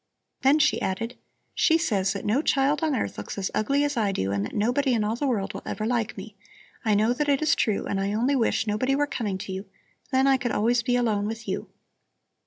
Then she added: "She says that no child on earth looks as ugly as I do and that nobody in the world will ever like me. I know that it is true, and I only wish nobody were coming to you; then I could always be alone with you."